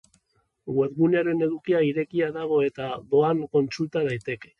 Webgunearen edukia irekita dago eta doan kontsulta daiteke.